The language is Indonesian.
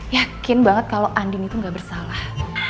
yakin banget kalau andin itu nggak bersalah